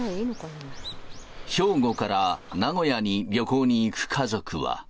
兵庫から名古屋に旅行に行く家族は。